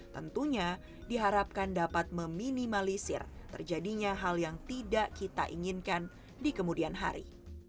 tentunya diharapkan dapat meminimalisir terjadinya hal yang tidak kita inginkan di kemudian hari